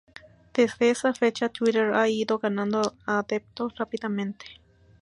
Desde esa fecha, Twitter ha ido ganando adeptos rápidamente.